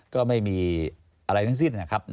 ก็ไม่มีอะไรทั้งสิ้นนะครับ